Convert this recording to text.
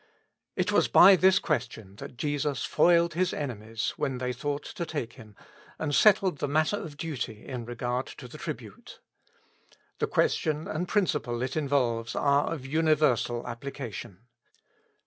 " It was by this ques VV tioii that Jesus foiled his enemies when they thought to take Him, and settled the matter of duty in regard to the tribute. The question and the principle it involves are of universal application.